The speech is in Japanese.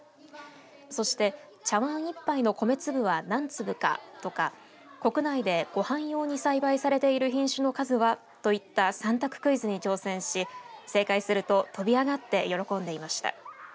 そして茶わん一杯の米粒は何粒かとか国内でごはん用に栽培されている品種の数はといった３択クイズに挑戦し正解すると飛び上がって喜んでいました。